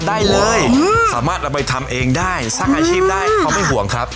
ได้เลยสามารถเอาไปทำเองได้สร้างอาชีพได้เขาไม่ห่วงครับ